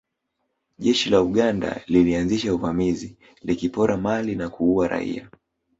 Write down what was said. Jeshi la Uganda lilianzisha uvamizi likipora mali na kuua raia